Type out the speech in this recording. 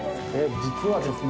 実はですね